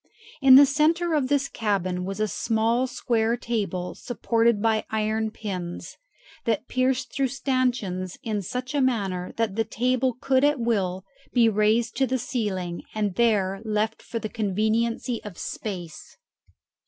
In the centre of this cabin was a small square table supported by iron pins, that pierced through stanchions in such a manner that the table could at will be raised to the ceiling, and there left for the conveniency of space.